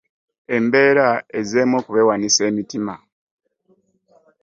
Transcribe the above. Embeera ezzeemu okubeewanisa emitima.